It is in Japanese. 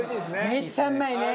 めちゃうまいね！